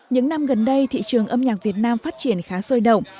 những năm gần đây thị trường âm nhạc việt nam phát triển khá sôi động